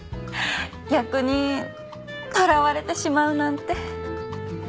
逆に捕らわれてしまうなんて。